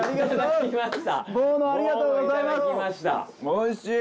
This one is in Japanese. おいしい！